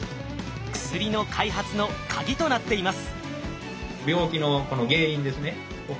薬の開発のカギとなっています。